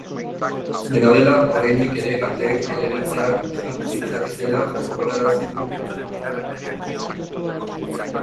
Dena dela, oraindik ere aldeek helegiteak jar ditzaketela gogorarazi du.